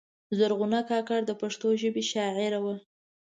زرغونه کاکړه د پښتو ژبې شاعره وه.